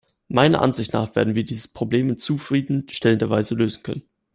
Meiner Ansicht nach werden wir dieses Problem in zufrieden stellender Weise lösen können.